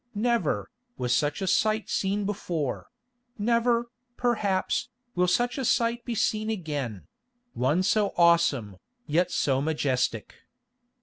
Never, was such a sight seen before; never, perhaps, will such a sight be seen again—one so awesome, yet so majestic.